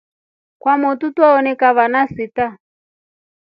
Kwamotru twawonika vana sita.